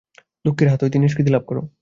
দুঃখের হাত হইতে নিষ্কৃতি লাভ কর।